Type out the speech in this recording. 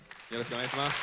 お願いします。